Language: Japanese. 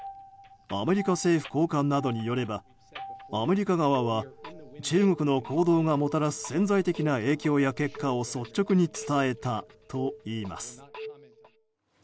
アメリカ政府高官などによればアメリカ側は中国の行動がもたらす潜在的な影響や結果を率直に伝えたといいます。